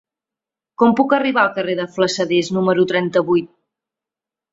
Com puc arribar al carrer de Flassaders número trenta-vuit?